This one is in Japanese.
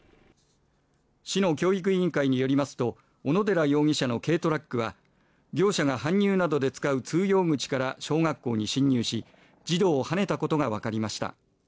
市の教育委員会によりますと小野寺容疑者の軽トラックは業者が搬入などで使う通用口から小学校に侵入し児童をはねたことがわかりました。